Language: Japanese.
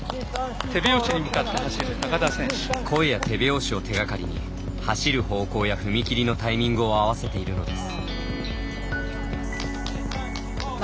声や手拍子を手がかりに走る方向や踏み切りのタイミングを合わせているのです。